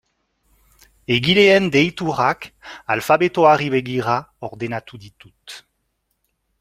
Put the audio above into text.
Egileen deiturak alfabetoari begira ordenatu ditut.